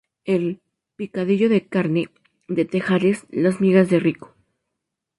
El "picadillo de carne" de Tejares, las migas de rico.